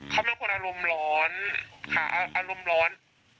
เขาเป็นคนอารมณ์ร้อนหาอารมณ์ร้อน